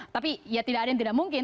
tapi ya tidak ada yang tidak mungkin